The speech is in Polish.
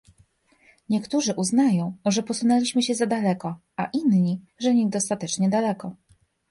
Niektórzy uznają, że posunęliśmy się za daleko, a inni - że niedostatecznie daleko